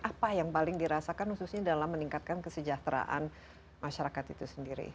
apa yang paling dirasakan khususnya dalam meningkatkan kesejahteraan masyarakat itu sendiri